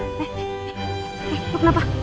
eh lu kenapa